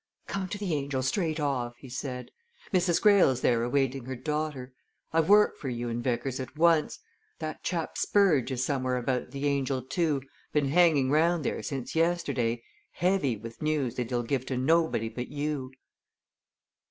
"Come to the 'Angel' straight off!" he said. "Mrs. Greyle's there awaiting her daughter. I've work for you and Vickers at once that chap Spurge is somewhere about the 'Angel,' too been hanging round there since yesterday, heavy with news that he'll give to nobody but you."